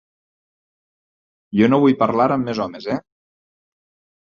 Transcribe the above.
Jo no vull parlar amb més homes, eh?